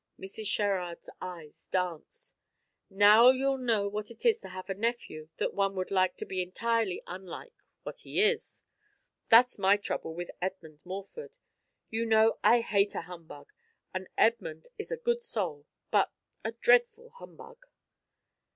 Mrs. Sherrard's eyes danced. "Now you'll know what it is to have a nephew that one would like to be entirely unlike what he is. That's my trouble with Edmund Morford. You know, I hate a humbug and Edmund is a good soul, but a dreadful humbug."